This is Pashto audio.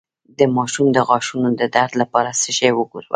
د ماشوم د غاښونو د درد لپاره څه شی ورکړم؟